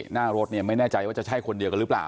หน้ารถเนี่ยไม่แน่ใจว่าจะใช่คนเดียวกันหรือเปล่า